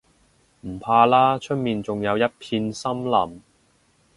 唔怕啦，出面仲有一片森林